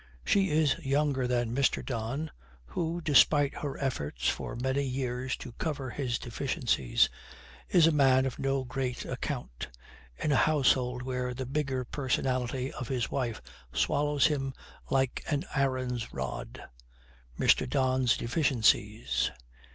She is younger than Mr. Don, who, despite her efforts for many years to cover his deficiencies, is a man of no great account in a household where the bigger personality of his wife swallows him like an Aaron's rod. Mr. Don's deficiencies!